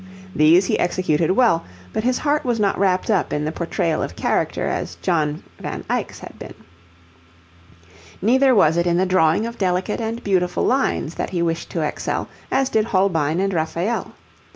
These he executed well, but his heart was not wrapped up in the portrayal of character as John Van Eyck's had been. Neither was it in the drawing of delicate and beautiful lines that he wished to excel, as did Holbein and Raphael.